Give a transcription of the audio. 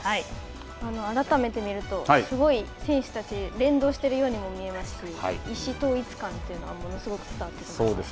改めて見ると、すごい選手たち、連動しているようにも見えますし、意思統一感というのがそうですね。